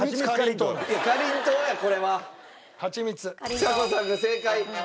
ちさ子さんが正解！